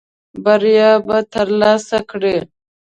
بریا به ترلاسه کړې .